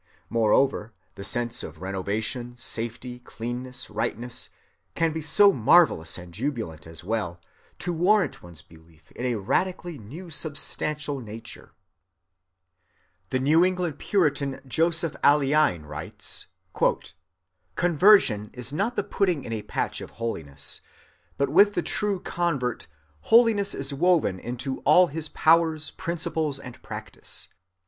Moreover the sense of renovation, safety, cleanness, rightness, can be so marvelous and jubilant as well to warrant one's belief in a radically new substantial nature. "Conversion," writes the New England Puritan, Joseph Alleine, "is not the putting in a patch of holiness; but with the true convert holiness is woven into all his powers, principles, and practice.